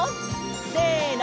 せの！